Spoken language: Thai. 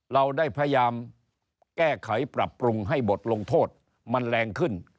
เราได้พยายามแก้ไขปรับปรุงให้บทลงโทษมันแรงขึ้น